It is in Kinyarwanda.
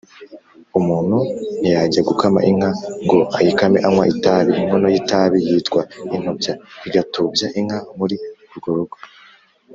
Umuntu ntiyajya gukama inka ngo ayikame anywa itabi .Inkono y’itabi yitwa intubya igatubya inka muri urwo rugo.